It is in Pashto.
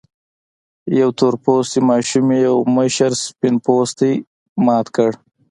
يوې تور پوستې ماشومې يو مشر سپين پوستي مات کړ.